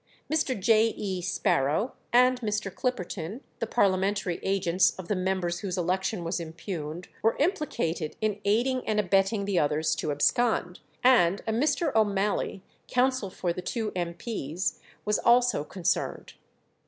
Mr. J. E. Sparrow and Mr. Clipperton, the parliamentary agents of the members whose election was impugned, were implicated in aiding and abetting the others to abscond, and a Mr. O'Mally, counsel for the two M.P.'s, was also concerned.